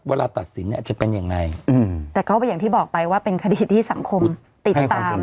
ตัดสินเนี่ยจะเป็นยังไงแต่ก็อย่างที่บอกไปว่าเป็นคดีที่สังคมติดตาม